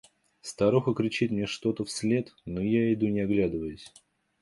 Старуха кричит мне что-то вслед, но я иду не оглядываясь.